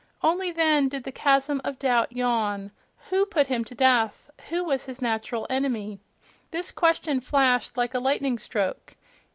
Only then did the chasm of doubt yawn: "Who put him to death? who was his natural enemy?"—this question flashed like a lightning stroke.